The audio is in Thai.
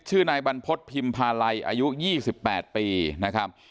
ชื่อนายบรรพฤติพิมพาลัยอายุยี่สิบแปดปีนะครับ